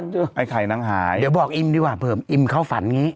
เดี๋ยวบอกอิ่มดีกว่าเผื่ออิ่มเข้าฝันนี้